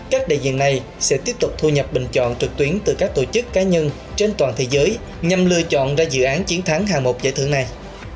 các đại diện này sẽ tiếp tục thu nhập bình chọn trực tuyến từ các tổ chức cá nhân trên toàn thế giới nhằm lựa chọn ra dự án chiến thắng hàng một giải thưởng này